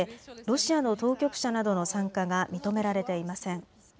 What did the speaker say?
ロシアの当局者などの参加が認められていません。